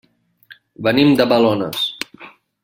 Venim de Balones.